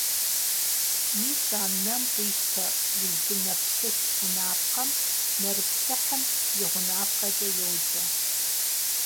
Мис а нэм къищтэ, уздынэплъыс гъунапкъэм нэрыплъыхьым и гъунапкъэкӀэ йоджэ.